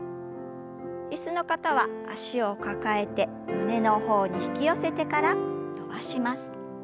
椅子の方は脚を抱えて胸の方に引き寄せてから伸ばします。